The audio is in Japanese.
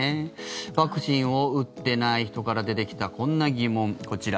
ワクチンを打ってない人から出てきたこんな疑問、こちら。